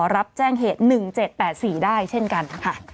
รับแจ้งเหตุ๑๗๘๔ได้เช่นกันค่ะ